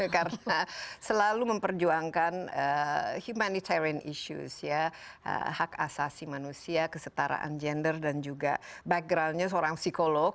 karena selalu memperjuangkan humanitarian issues hak asasi manusia kesetaraan gender dan juga backgroundnya seorang psikolog